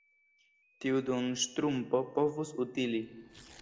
Tiu duonŝtrumpo povus utili.